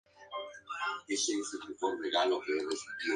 los esclavos eran tan numerosos como los mismos colonos